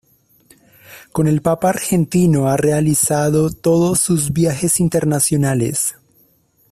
Con el Papa argentino ha realizado todos sus viajes internacionales.